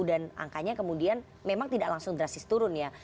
angkanya kemudian memang tidak langsung drastis turun ya